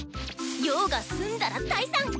用が済んだら退散！